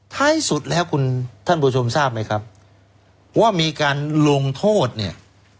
ท้ายสุดแล้วคุณท่านผู้ชมทราบไหมครับว่ามีการลงโทษเนี่ย